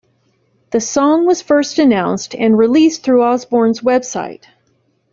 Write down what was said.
The song was first announced and released through Osbourne's website.